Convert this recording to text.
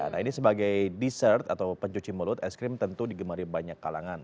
nah ini sebagai dessert atau pencuci mulut es krim tentu digemari banyak kalangan